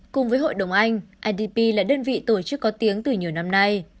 cùng với hội đồng anh idp là đơn vị tổ chức có tiếng từ nhiều năm nay